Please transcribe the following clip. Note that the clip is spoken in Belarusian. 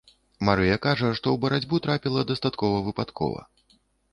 Марыя кажа, што ў барацьбу трапіла дастаткова выпадкова.